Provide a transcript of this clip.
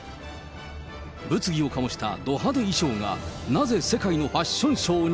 物議を醸したド派手衣装が、なぜ世界のファッションショーに？